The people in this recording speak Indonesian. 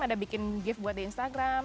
ada bikin gift buat di instagram